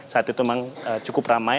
saat itu memang cukup ramai